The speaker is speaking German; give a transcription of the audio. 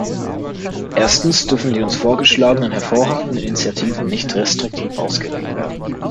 Erstens dürfen die uns vorgeschlagenen hervorragenden Initiativen nicht restriktiv ausgelegt werden.